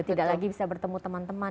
tidak lagi bisa bertemu teman teman